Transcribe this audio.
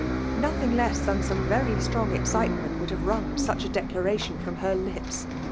Nothing less than some very strong excite meht would have wrung such a declaration from her lips